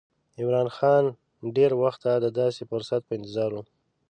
عمرا خان له ډېره وخته د داسې فرصت په انتظار و.